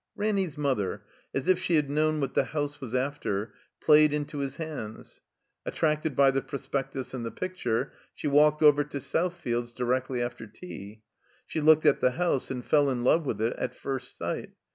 Ranny's mother, as if she had known what the house was after, played into its hands. Attracted by the Prospectus and the picture, she walked over to Southfields directly after tea. She looked at the house and fell in love with it at first sight.